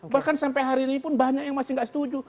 bahkan sampai hari ini pun banyak yang masih tidak setuju